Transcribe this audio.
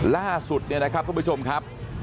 ล่าสุดเนี่ยนะครับทุกผู้ชมครับ